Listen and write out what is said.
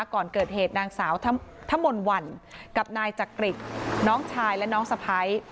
ก่อนเกิดเหตุนางสาวธมนต์วันกับนายจักริตน้องชายและน้องสะพ้าย